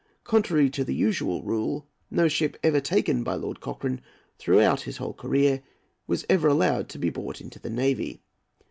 Contrary to the usual rule, no ship ever taken by Lord Cochrane, throughout his whole career, was ever allowed to be bought into the navy.